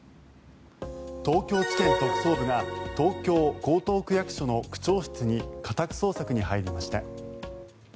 東京地検特捜部が東京・江東区役所の区長室に家宅捜索に入りました。